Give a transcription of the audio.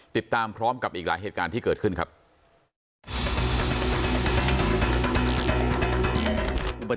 ติดตามพร้อมกับอีกหลายเหตุการณ์ที่เกิดขึ้นครับ